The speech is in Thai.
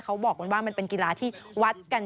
เขาบอกกันว่ามันเป็นกีฬาที่วัดกัน